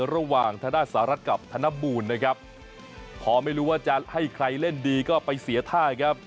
ทางด้านสหรัฐกับธนบูลนะครับพอไม่รู้ว่าจะให้ใครเล่นดีก็ไปเสียท่าครับ